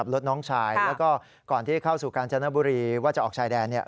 แล้วก็ก่อนที่เข้าสู่การเฉิงรับบุรีว่าจะออกชายแดนเนี่ย